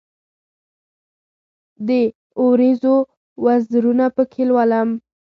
د اوریځو وزرونه پکښې لولم